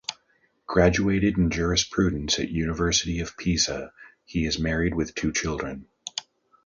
Graduated in jurisprudence at University of Pisa, he is married with two children.